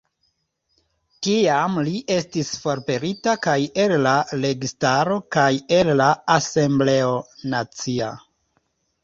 Tiam li estis forpelita kaj el la registaro kaj el la asembleo nacia.